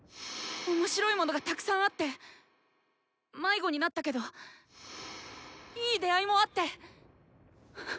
面白いものがたくさんあって迷子になったけどいい出会いもあって！